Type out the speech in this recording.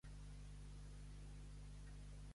Fer un mom.